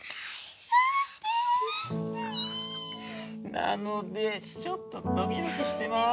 なのでちょっとドキドキしてます。